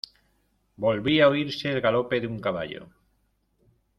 volvía a oírse el galope de un caballo.